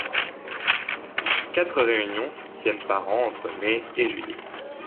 Quatre réunions s'y tiennent par an entre mai et juillet.